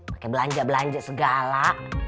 pake belanja belanja segala